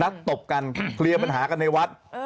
ตบกันเคลียร์ปัญหากันในวัด